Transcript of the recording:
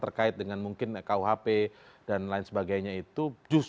terkait dengan mungkin kuhp dan lain sebagainya itu